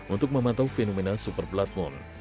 untuk memantau fenomena super blood moon